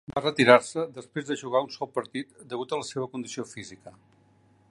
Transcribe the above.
Va retirar-se després de jugar un sol partit degut a la seva condició física.